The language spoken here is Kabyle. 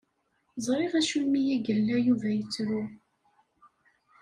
Ẓriɣ acimi i yella Yuba yettru.